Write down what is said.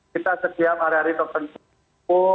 kita setiap hari hari tertentu